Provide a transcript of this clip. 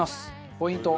ポイント